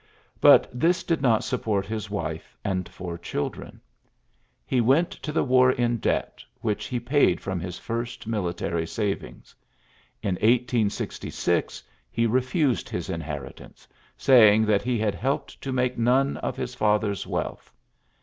But this did not s port his wife and four children, went to the war in debt, which he ji from his first military savings. In 1 he refdsed his inheritance^ saying t he had helped to make none of faither's wealth.